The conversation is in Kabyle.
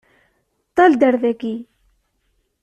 Ṭṭal-d ar daki!